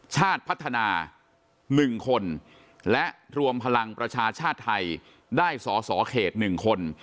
ชาติพัฒนา๑คนและรวมพลังประชาชาติไทยได้สอสอเขต๑คน